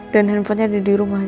dan handphonenya ada di rumah